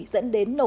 dẫn đến nổ khí uống